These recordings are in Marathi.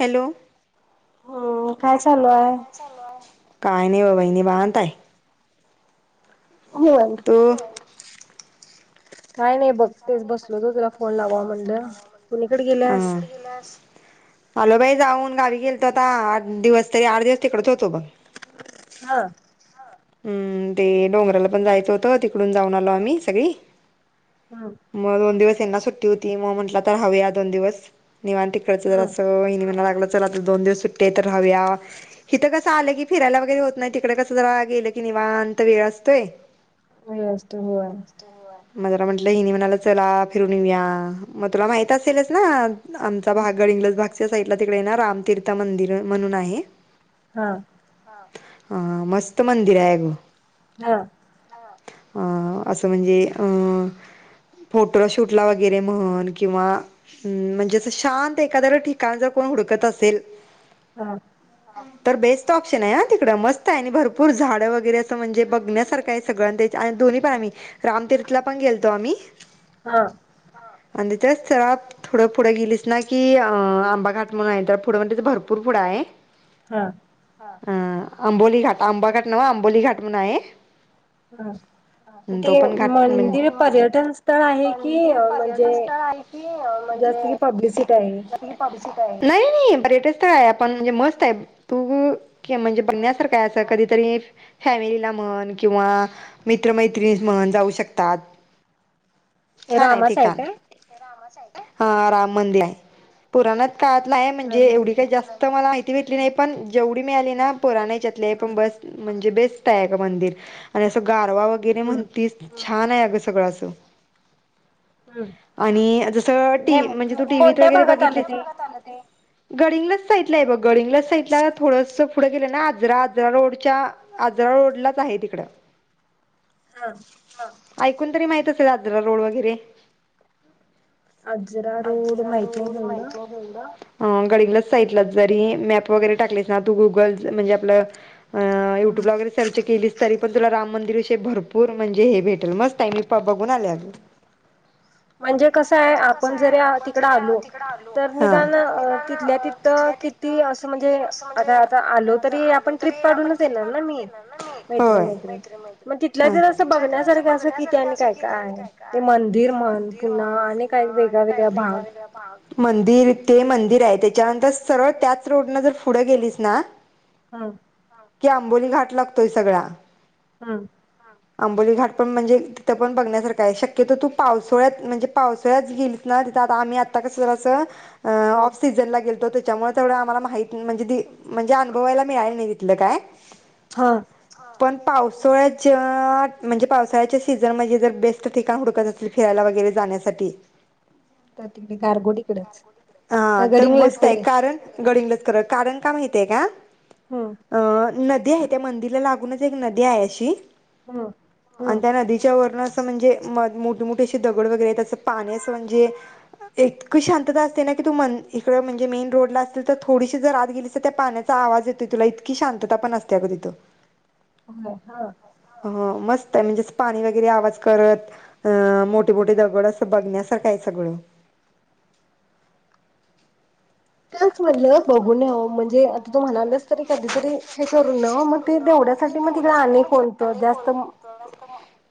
हॅलो हो काय चालू आहे? काय नाही ब बाई निवांत आहे होय ते काय नाही बघ. बसलो तो, तुला फोन लावावा म्हणल. आ. कूनिकड गेल्यास? आलो बाई जाऊन गावी गेलतो. आता आठ दिवस तरी, आठ दिवस तिकडच होतो बघ. ह. हुं. ते डोंगराला पण जायचं होतं, तिकडून जाऊन आलो आम्ही सगळी. मग दोन दिवस ह्यांना सुट्टी होती, मग म्हटलं राहूया दोन दिवस. निवांत तिकडच जरासं, वहिनी म्हणाय लागल्यात चला तर दोन दिवस सुट्टी आहे तर राहूया. हित कस आल की, फिरायला वगेरे होत नाही, तिकड कस जरा गेल की कि निवांत वेळ असतोय वेळ असतोय होय. होय. म जरा म्हटलं, हिनी म्हणाल चला फिरून येवू या. मग तुला माहित असेलच ना? आमचा भाग गडींगलज साईडला तिकडे ना, रामतीर्थ मंदिर म्हणून आहे. हा. हा मस्त मंदिर आहे अग. हा. हा असं म्हणजे अं फोटोला शूटला वगैरे म्हण किंवा हुं. म्हणजे शांत एखादर ठिकाण, जर कोण हुडकत असेल हा. तर बेस्ट ऑप्शन आहे हा तिकडं. मस्त आहे आणि भरपूर झाड वगैरे असं म्हणजे बघण्यासारखं आहे सगळं. दोन्ही पण आम्ही रामतीर्थला पण गेलतो आम्ही. हा. आणि त्या च्याप थोडं पुढं गेलीस ना की, अ आंबा घाट म्हणून हाय, तर पुढं म्हणच भरपूर पुढं हाय. हा. अं आंबोली घाट, आंबाघाट नव्ह आंबोली घाट म्हणून आहे. तो पण घाट, मंदिर पर्यटन स्थळ आहे. ती ओ म्हंजे नाही नाही पर्यटन स्थळ हाय, आपण म्हणजे मस्त आहे. तू हुं. म्हणजे बगण्यासारख आहे म्हणजे कधी तरी. फॅमिलीला म्हण किंवा मित्रमैत्रीणी म्हण जाऊ शकतात. छान आहे ठिकाण. हा राम मंदिर आहे पुराणात काळातलं आहे म्हणजे एवढी काही जास्त मला माहिती भेटली नाही, पण जेवढी मिळली ना पोरानाच्यातली आहे पण बस म्हणजे बेस्ट हाय अग मंदिर आणि असं गारवा वगैरे म्हणतीस, छान हाय अग सगळं असं. आणि जस टी म्हणजे तू टिव्ही त वगैरे बगितलीस गडिंगलंच साईटला हाय गडिंगलज साईटला थोडस पुढं गेलं ना, आजरा आजरा रोड च्या आजरा रोडलाच आहे तिकड. हा. ऐकून तरी माहित असेल आजरा रोड वगैरे? आजरा रोड माहित नाही. गडिंगलज साईटला जरी मॅप वगैरे टाकलीस, ना गुगल म्हणजे आपल अ युटूब ला वगैरे सर्च केलीस तरी पण तुला राम मंदिर विषय भरपूर म्हणजे हे भेटेल. मस्त आहे मी बघून आले आग. [unintelligible] म्हणजे कसं आहे आपण जरी तिकड आलो तर निदान तिथल्या तिथं ते असं म्हणजे आता आता आलो तरी आपण ट्रीप काढूनच येणार ना मी मैत्रीण मैत्रीण. मग तिथल्या जर अस बघण्यासारखं असं किती आणि काय काय हाय? ते मंदिर म्हण पुन्हा आणि काही वेगळा वेगळा भाग. हा मंदिर ते मंदिर आहे त्याच्यानंतर सरळ त्याच रोडन जर पुढं गेलीस ना हा. की आंबोली घाट लागतोय सगळा. हम्म. हम्. आंबोली घाट पण म्हणजे तिथं पण बघण्यासारखं हाय. शक्यतो तू पावसाोळ्यात म्हणजे पावसोळ्यात गेली ना तिथं आता आम्ही आता कसं जरास ऑफ सीझन ला गेलतो त्याच्यामुळे तेवढं आम्हाला माही म्हणजे म्हणजे अनुभवायला मीळायला नाही. तीथलं काय. हां. हा. पण पावसाळ्याच्या म्हणजे पावसाळ्याच्या सीझन म्हणजे जर बेस्ट ठिकाण हुडकत असतील फिरायला वगैरे जाण्यासाठी. तर तिकडे गारगोटी कडच. काय गडिंगलजकडे. गडिंगलज कडच कारण का माहितीय का? हम्म. अ नदी आहे त्या मंदिरला लागूनच एक नदी आहे अशी. हम्म. आणि त्या नदीच्या वरण असं म्हणजे म मोठी मोठीे अशी दगड वगैरे त्याचं पाणी असं म्हणजे इतकी शांतता असते ना की तू इक म्हणजे मेन रोड ला असेल तर थोडीशी जर आत गेली अस तर त्या पाण्यात चा आवाज येतोय तुला इतकी शांतता पण असते अगं तिथं. [unintelligible] हो मस्त म्हणजे पाणी वगैरे आवाज करत अ मोठे मोठे दगड अस बघण्यासारखं आहे सगळं. त्याच म्हटलं बघून यावं म्हणजे आता तू म्हणालीस तरी कधीतरी हे करू नव ते तेवढ्यासाठी मग तिकडे आणि कोणतं जास्त [unintelligible]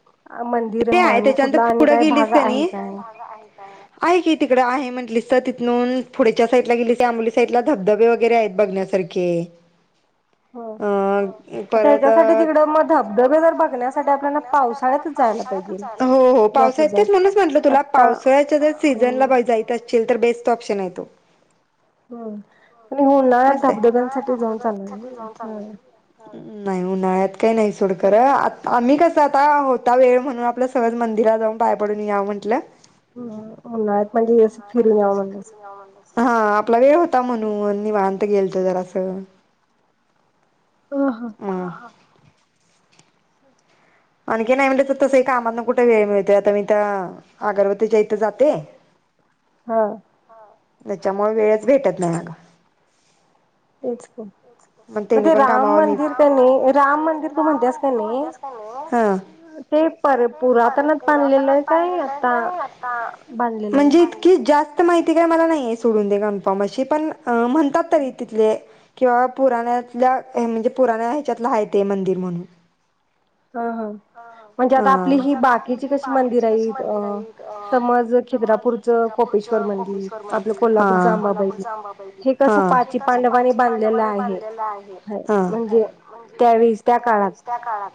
मंदिर म्हण. कुठल आणि काही भाग आहे काय? आहे काय? आहे की तिकडे आहे म्हटलीस तर तिथून पुढेच्या साईडला गेली की आपली साईडला धबधबे वगैरे आहेत बघण्यासारखे. ह. त्याच्यासाठी तिकडं मग धबधबे जर बघण्यासाठी आपल्याला पावसाळ्यातच पावसाळ्यात जाय. हो. हो पावसाळ्यातच. म्हणूनच म्हटलं तुला पावसाळ्याच्या जर सीझनला बघायचं अससील तर बेस्ट ऑप्शन आहेत. हम्म. आणि उन्हाळ्यात धबधब्यांसाठी जाऊन चालत नाही. हा. हम्म. नाही उन्हाळ्यात काही नाही सोड खर. आ आम्ही कसं आता होता वेळ म्हणून आपलं सहज मंदिरात जाऊन पाया पडून या म्हंटलं. हम्म. उन्हाळ्यात म्हणजें फिरून यावं म्हणल. हा आपला वेळ होता म्हणून निवांत गेलतो जरासं. ह ह. [inaudible] आणखी नाही म्हटल तर तसंही कामातना कुठे वेळ मिळतोय आता मी त्या अगरवतीच्या इथं जाते. हा. त्याच्यामुळे वेळच भेटत नाही अग तेच की म ते राम मंदिर कनि राम मंदिर तू म्हणतेस कनी ते पर पुरातनात बांधलेलं आहे काय आता बांधलेलं आहे? की जास्त माहिती काय मला नाही आहे सोडून दे कन्फर्म अशी पण म्हणतात तरी तिथले किं बाबा पुराण्यातल्या हे म्हणजे पुराण्या ह्याच्यातला आहे ते मंदिर म्हणून. हा हा. म्हणजे आता आपली ही बाकीची कशी मंदिरं आहेत अ समज खिद्रापूर खिद्रापूरचं कोपेश्वर मंदिर कोल्हापूरचं अंबाबाई हे तिथ अस पाची पा लोकांनी बांधलेला आहे ते म्हणजे त्यावेळीस त्या काळात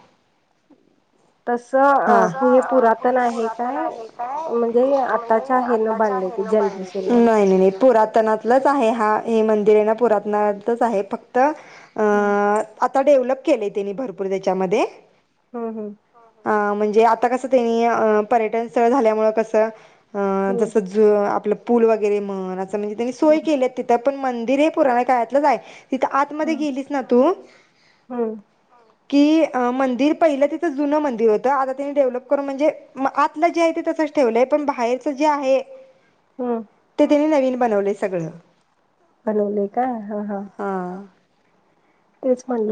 तस हे पुरातन आहे काय म्हणजे आताच्या का हेन बांधलेत जनरेशन न लच आहे हा हे मंदिर आहे ना पुरातनातच आहे फक्त हम आता डेवलप केलय त्यांनी भरपूर त्याच्यामध्ये हम्म हम्म अ म्हणजे आता कस त्यांनी पर्यटन स्थळ झाल्यामुळे कसं? ज आपलं पूल वगैरे म्हण असं म्हणजे त्यांनी सोय केली आहे तिथं पण मंदिर हे पुराण काळातलंच आहे. तिथ आतमध्ये गेलीस ना तू कि अ मंदिर पहिलं तिथं जुन मंदिर होतं आता तिनी डेव्हलप करून म्हणजे? म आतलं जे आहे ते तसंच ठेवलंय पण बाहेरच जे आहे हम्म ते तेनी नवीन बनवलय सगळं. बनवलय काय हा हा. हा.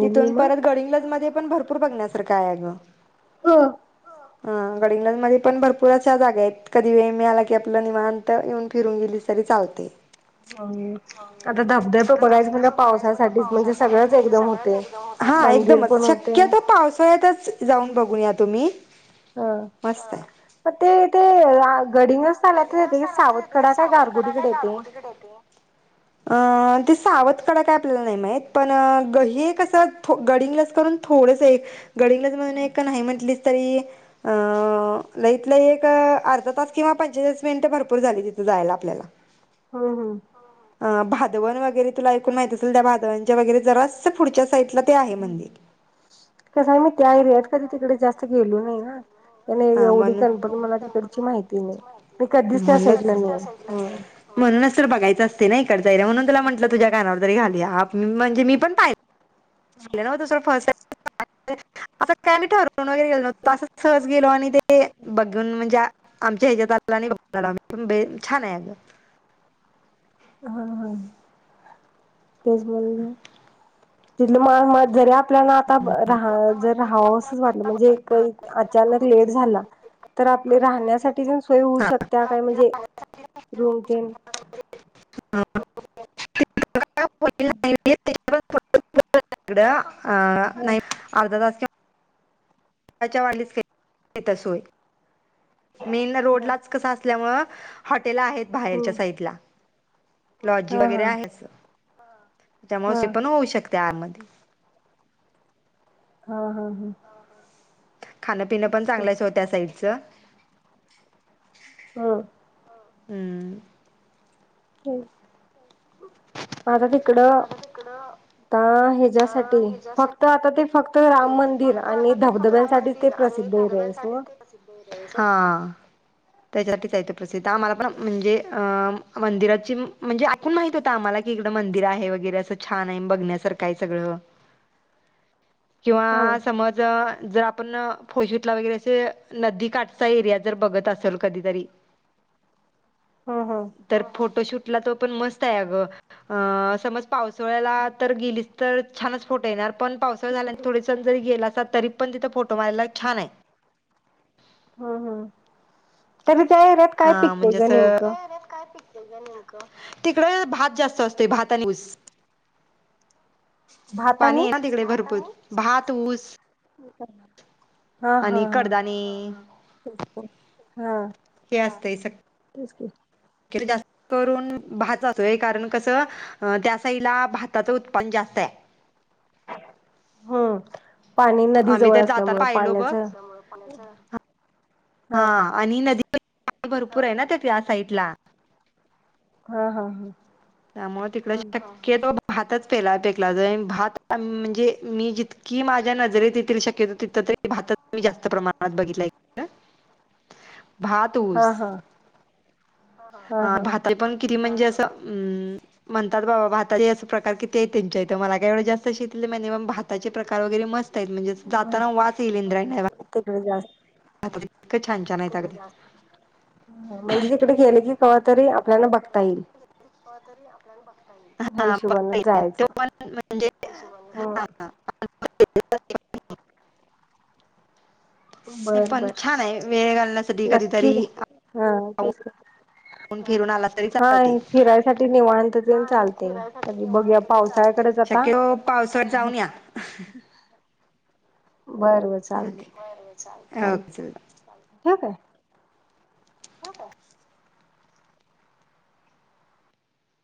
तिथून परत गडहिंग्लज मध्ये पण भरपूर बघण्यासारखं आहे ग [unintelligible] ह गडहिंग्लज मध्ये पण भरपूर अशा जागा आहेत कधी वेळ मिळाला की आपलं निवांत येऊन फिरून गेलीस तरी चालतय. आता धबधबे बघायच म्हणल्याव पावसासाठीच म्हणजे सगळंच एकद दम होतय हा एकदमच शक्यतो पावसाळ्यातच जाऊन बघून या तुम्ही. मस्त आहे. मग ते ते आ गडहिंग्लज ताल्या येते सावतखडा काय गारगुडीकडे येते? अ ते सावतखडा काय आपल्याला नाही माहित पण अ ग हे कसं थो गडहिंग्लज करून थोडस एक गडहिंग्लज मधून एक नाही म्हणतलीस तरी? आ लइत लई एक अर्धा तास किंवा पंचेचाळीस मिनिटे भरपूर झाली तिथ जायला आपल्याला. हम्म हम्म. अ भादवन वगैरे तुला ऐकून माहित असेल त्या भादवांच्या वगैरे जरा पुढच्या साईडला ते आहे मंदिर. ते कस मी त्या एरियात कधी तिकडे जास्त गेलो नाही ना नाही एवढी कणपण मला तिकडची माहिती नाही मी कधीच त्या साईडला नाही हम्म म्हणूनच तर बघायच असते नाही का. चेहऱ्यावरून म्हणून तुला म्हटलं तुझ्या कानावर तरी घालूया म्हणजे मी पण पाहि राहुदे सोड. फर्स्ट टाईम आता त्या बी ठरवून वगैरे गेलो नव्हतो असं सहज गेलो आणि ते बघन म्हणजे, आमच्या ह्याच्यात आल आणि बघितलं. बेस छान आहे अगं. होय होय. तेच बोला. तिथलं म म जरी आपल्याला आता राहा जर राहावं असंच वाटलं म्हणजे एक अचानक लेट झाला. तर आपले राहण्यासाठी सोय होऊ शकत काय म्हणजे रूम तेन हा हा. हम्. आ नाही अर्धा तासच्या त्याच्या वालीच घेता सोय मीना रोडलाच कस असल्यामुळे हॉटेल आहेत बाहेरच्या साईडला. लॉज वगैरे आहे. त्यामुळेे अशी पण होऊ शकते. आरमध्ये हा हा हा. खाना पिण पण चांगला आहे सोड त्या साईडच. हम्म. हम्म. हम्. मग आता तिकडं ता हेज्यासाठी फक्त आता ते फक्त राम मंदिर आणि धबधब्यांसाठीच ते प्रसिद्ध एरिया आहे सोड. हा त्याच्यासाठीच आहे ते प्रसिद्ध. आम्हाला पण आता म्हणजे, अ मंदिराची म्हणजे एकूण माहित होतं आम्हाला की, इकडं मंदिर आहे वगैरे. असं छान आहे बघण्यासारखं. काय सगळं हा समज जर आप ण फौजीतला वगैरे, असे नदीकाठचा एरिया जर बघत असेल कधीतरी हम्म हम्. तर फोटोशूटला तो पण मस्त आहे अगं. अ समज पावसाळ्याला तर गेलीच तर छानच फोटं येणार. पण पावसाळा झाला की थोडेसच जरी गेलासा तरी पण तिथं फोटो मारायला छान आहे. हम् हम् तरी त्या एरियात काय पिकते ग नेमकं? तिकडे भात जास्त असतोय. भात आणि ऊस. पाणी आहे ना तिकडे भरपूर भात, ऊस ठीक आहे. हा हा. ठीक हे हा. हे असतें. सग तेच की, तिकडे जास्त करून भात होतय. कारण कसं अं त्या साईडला भाताचं उत्पन्न जास्त आहे. [unintelligible] हम्म. पाणी नदी जवळ असल्यामुळ पाण्याच हा आणि नदी पाणी भरपूर आहे ना त्या साईडला. हा हा हा. त्यामुळे तिकड शक्यतो भातच पेला पिकला जाइन भात आण म्हणजे मी जिथ कि माझ्या नजरेत येथील शक्यतो तिथं तरी भातच जास्त प्रमाणात बघितलंय तिथ. भात हा, हा. हा, हा. भाताल पण किती म्हणजे असं, अम म्हणतात बाबा, भाताचे अस प्रकार कितीयेत त्यांच्या इथं. मला काय एवढं, जास्त शेतीतील माहित नाही. भाताचे प्रकार वगैरे मस् तयेत. म्हणजे असं, जाताना वास येईल इंद्रायणीला. तिकडं जात. आता ईतक छान- छानायात अगं तिथे. म्हणजे तिकडे गेले की, कवा तरी आपल्याना बघता येईल. कवा तरी आपल्याला बघा येईल. बघा येईल. तो पण म्हणजे, ह. [unintelligible] नाही पण छानय. वेळ घालण्यासाठी कधीतरी हा, तेच की. ऊन फिरून आला तरी चालतय. हा फिरायसाठी निवांत पण चालतंय. शक्यतो पावसात जाऊन या. [unintelligible] बर, बर. चालेल. ओके. हा काय? हो का?